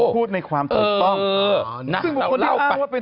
พูดในความถูกต้อง